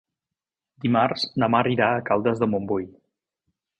Dimarts na Mar irà a Caldes de Montbui.